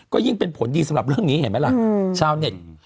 ก็ยิ่งเป็นผลดีสำหรับเรื่องนี้เห็นไหมล่ะชาวเน็ต